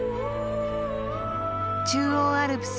中央アルプス